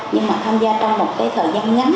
nhưng mà tham gia trong một thời gian ngắn